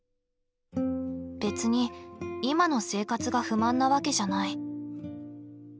別に今の生活が不満なわけじゃない。